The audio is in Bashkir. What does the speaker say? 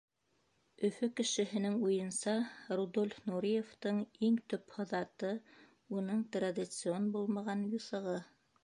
Өфө кешеһенең уйынса, Рудольф Нуриевтың иң төп һыҙаты — уның традицион булмаған юҫығы.